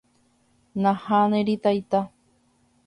Nahániri taita